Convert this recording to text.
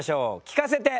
聞かせて！